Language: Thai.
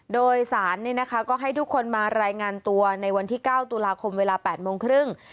โดยสารก็ให้ทุกคนมารายงานตัวในวันที่๙ตุลาคมเวลา๘โมงครึ่ง